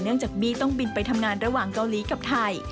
จากบี้ต้องบินไปทำงานระหว่างเกาหลีกับไทย